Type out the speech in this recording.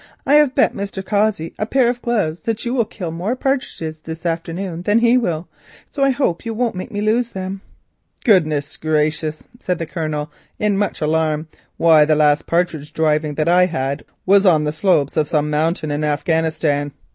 "I have bet Mr. Cossey a pair of gloves that you will kill more partridges this afternoon than he will, so I hope you won't make me lose them." "Goodness gracious," said the Colonel, in much alarm. "Why, the last partridge driving that I had was on the slopes of some mountains in Afghanistan.